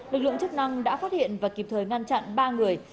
lực lượng chức năng đã phát hiện và kịp thời ngăn chặn ba người